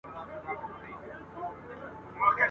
نه به دي د سره سالو پلو ته غزل ولیکي !.